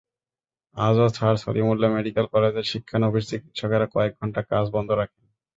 আজও sir Salimullah medical কলেজের শিক্ষানবিশ চিকিৎসকেরা কয়েক ঘণ্টা কাজ বন্ধ রাখেন।